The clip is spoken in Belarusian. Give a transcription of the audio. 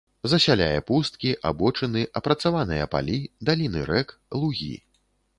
Засяляе пусткі, абочыны, апрацаваныя палі, даліны рэк, лугі.